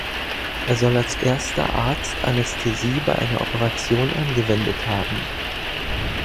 Er soll als erster Arzt Anästhesie bei einer Operation angewendet haben.